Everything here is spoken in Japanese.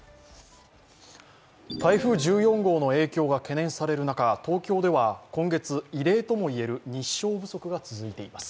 台風１４号の影響が懸念される中東京では今月、異例とも言える日照不足が続いています。